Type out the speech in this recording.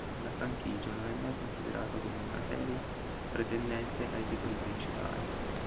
La franchigia non è mai considerata come una seria pretendente ai titoli principali.